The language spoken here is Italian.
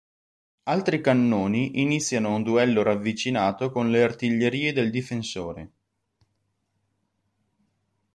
Altri cannoni iniziano un duello ravvicinato con le artiglierie del difensore.